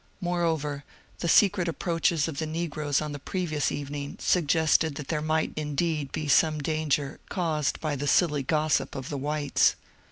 Moreover, ibe secret approaches of the negroes on the previous evening suggested that there might indeed be some danger, caused by the silly gossip of the whites.